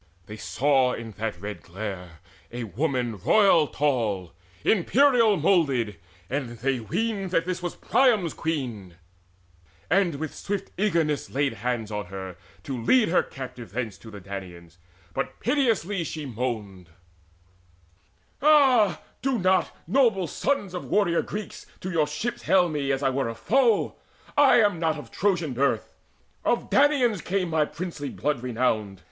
They saw In that red glare a woman royal tall, Imperial moulded, and they weened that this Was Priam's queen, and with swift eagerness Laid hands on her, to lead her captive thence To the Danaans; but piteously she moaned: "Ah, do not, noble sons of warrior Greeks, To your ships hale me, as I were a foe! I am not of Trojan birth: of Danaans came My princely blood renowned.